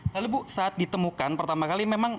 lalu bu saat ditemukan pertama kali memang